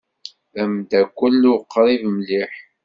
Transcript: D ameddakel uqrib mliḥ.